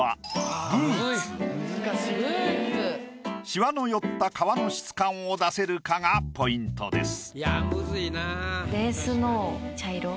シワの寄った革の質感を出せるかがポイントです。